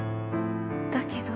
だけど」。